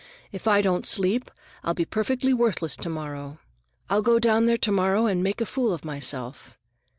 "If I don't sleep, I'll be perfectly worthless to morrow. I'll go down there to morrow and make a fool of myself.